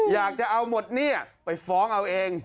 อยากจะเอาหมดหนี้ไปฟ้องเอาเอง